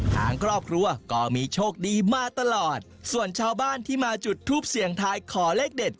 ทางครอบครัวก็มีโชคดีมาตลอดส่วนชาวบ้านที่มาจุดทูปเสี่ยงทายขอเลขเด็ด